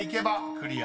［クリア！］